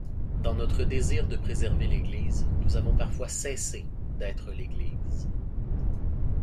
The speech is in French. Dans notre désir de préserver l'Église, nous avons parfois cessé d'être l'Église.